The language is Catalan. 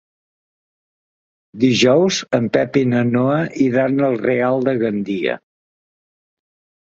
Dijous en Pep i na Noa iran al Real de Gandia.